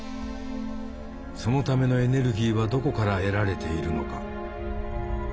そのためのエネルギーはどこから得られているのか。